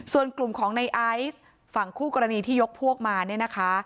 ส่วนกลุ่มของในไอซ์ฝั่งคู่กรณีที่ยกพวกมาเนี่ยนะคะ